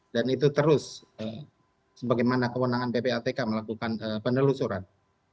itu terus sebagaimana kewenangan ppatk melakukan penelusuran